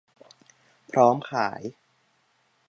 พร้อมขาย